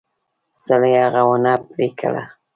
سړي هغه ونه پرې کړه.